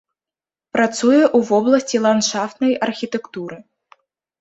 Працуе ў вобласці ландшафтнай архітэктуры.